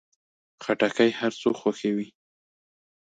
خټکی هر څوک خوښوي.